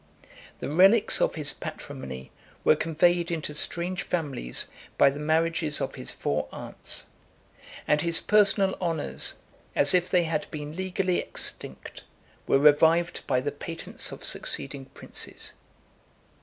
The relics of his patrimony were conveyed into strange families by the marriages of his four aunts; and his personal honors, as if they had been legally extinct, were revived by the patents of succeeding princes.